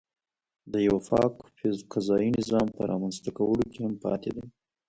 د یوه پاک قضایي نظام په رامنځته کولو کې هم پاتې دی.